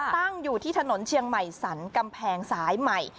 ตั้งอยู่ที่ถนนเชียงใหม่สรรกำแพงสายใหม่